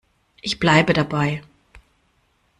Ich bleibe dabei.